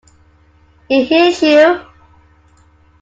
He Hears You.